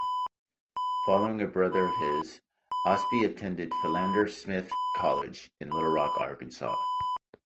Following a brother of his, Ausbie attended Philander Smith College in Little Rock, Arkansas.